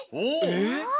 えっ？